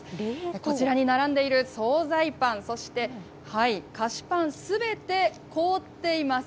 こちらに並んでいる総菜パン、そして菓子パン、すべて凍っています。